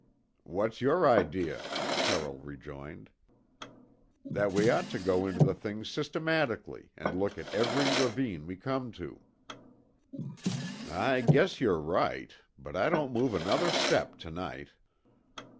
"What's your idea?" Carroll rejoined. "That we ought to go into the thing systematically and look at every ravine we come to." "I guess you're right, but I don't move another step to night."